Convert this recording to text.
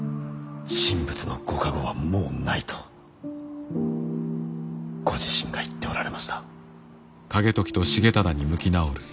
神仏のご加護はもうないとご自身が言っておられました。